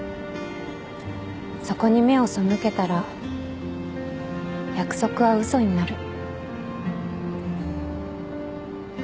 そこに目を背けたら約束は嘘になる。